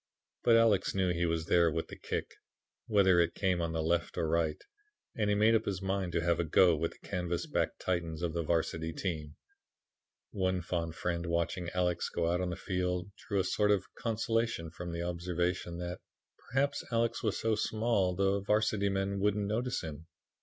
But Alex knew he was there with the kick, whether it came on the left or right, and he made up his mind to have a go with the canvas backed Titans of the Varsity team. One fond friend watching Alex go out on the field drew a sort of consolation from the observation that "perhaps Alex was so small the Varsity men wouldn't notice him."